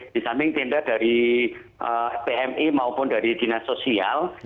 di samping tenda dari pmi maupun dari dinas sosial